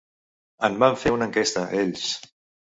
En van fer una enquesta, ells.